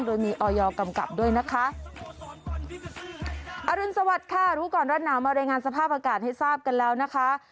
โดยมีออยกำกับด้วยนะคะอรุณสวัสดิ์ค่ะรู้ก่อนร้อนหนาวมารายงานสภาพอากาศให้ทราบกันแล้วนะคะ